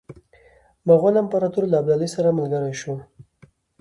مغول امپراطور له ابدالي سره ملګری شو.